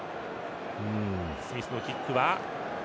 スミスのキックは。